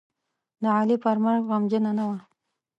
د علي په مرګ غمجنـه نه وه.